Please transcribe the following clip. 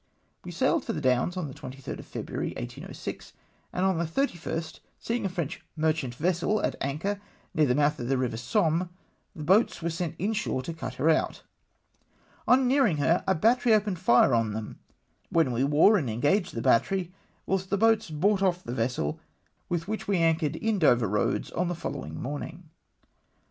We sailed from the Downs on the 23rd of January 1806, and on the 31st seeing a French merchant ves CAPTURE yV VESSEL. 187 sel at anchor near tlie mouth of the river Somme, the boats were sent inshore to cut lier out. On nearing her, a battery opened fire on them, when we wore and engaged the battery, whilst the boats brought off the vessel, with which we ancliored in Dover roads on the followinof morninix.